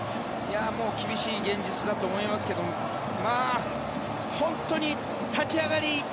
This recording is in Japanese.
もう厳しい現実だと思いますけど本当に立ち上がり